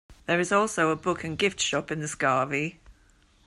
There is also a Book and Gift Shop in the Scavi.